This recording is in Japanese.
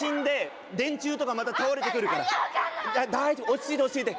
落ち着いて落ち着いて。